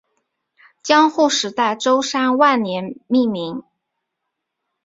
江户时代舟山万年命名。